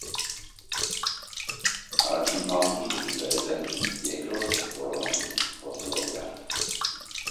Առաջին փամփուշտը դիպել է ձեռքին, երկրորդը՝ որովայնին՝ խոցելով լյարդը։